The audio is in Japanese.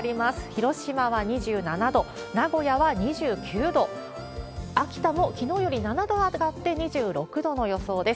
広島は２７度、名古屋は２９度、秋田もきのうより７度上がって２６度の予想です。